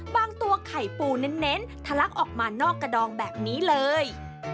บางตัวไข่ปูเน้นทะลักออกมานอกกระดองแบบนี้เลย